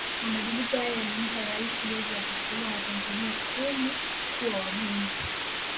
Mabadiliko hayo yalimpa Raisi uwezo wa kuteua watanzania kumi kuwa wabunge